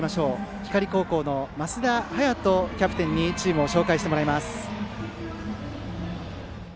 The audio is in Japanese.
光高校の升田早人キャプテンにチームを紹介してもらいます。